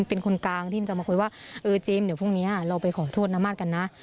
เป็นคนกลางที่จะมาคุยว่าเออเจมส์เดี๋ยวพรุ่งนี้เราไปขอโทษน้ำมาสกันนะ